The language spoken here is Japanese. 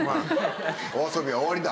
お遊びは終わりだ。